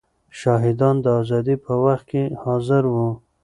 شاهدان د ازادۍ په وخت کې حاضر وو.